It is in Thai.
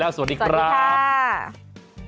เจอหรือยังคนที่ใช่